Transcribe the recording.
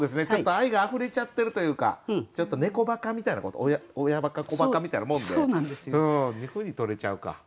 ちょっと愛があふれちゃってるというかちょっと猫ばかみたいなこと親ばか子ばかみたいなもんでっていうふうにとれちゃうか。